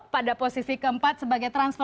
pada posisi keempat sebagai transparan